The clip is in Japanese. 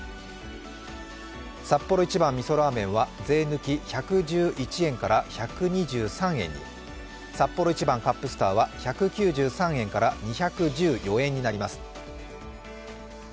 サッポロ一番みそラーメンは税抜き１１１円から１２３円に、サッポロ一番カップスターは１９３円から２１４円になります。